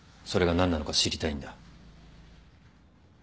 それが何なのか知りたいんだ。